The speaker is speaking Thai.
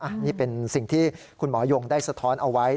อันนี้เป็นสิ่งที่คุณหมอยงได้สะท้อนเอาไว้